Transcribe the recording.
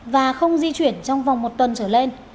và không di chuyển trong vòng một tuần trở lên